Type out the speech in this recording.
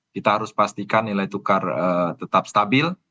kita harus pastikan nilai tukar tetap stabil